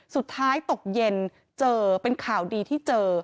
สุดท้ายตกเย็นเจอเป็นข่าวดีที่เจอ